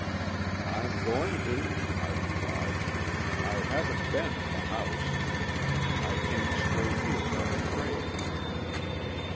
"I'm going to," I replied. "I haven't been at the house; I came straight here from the train."